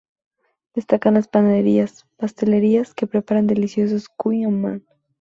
Destacan las panaderías-pastelerías que preparan deliciosos kouing-Amann.